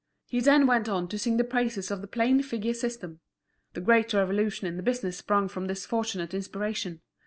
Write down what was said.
He then went on to sing the praises of the plain figure system. The great revolution in the business sprung from this fortunate inspiration.